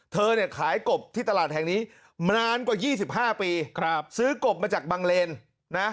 เธอเนี่ยขายกบที่ตลาดแห่งนี้มานานกว่า๒๕ปีครับซื้อกบมาจากบังเลนนะ